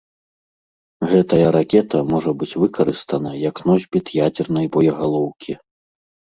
Гэтая ракета можа быць выкарыстана як носьбіт ядзернай боегалоўкі.